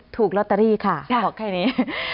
ถูกลอตเตอรี่ค่ะบอกแค่นี้